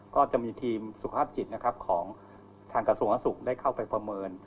ก็จะมีทีมสุขภาพจิตนะครับของทางกระทรวงสุขได้เข้าไปประเมิน